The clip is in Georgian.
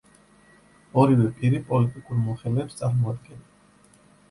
ორივე პირი პოლიტიკურ მოხელეებს წარმოადგენენ.